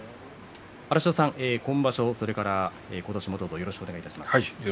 今場所、それから今年もどうぞよろしくお願いします。